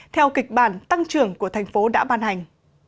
theo kịch bản tăng trưởng của thành phố đã ban hành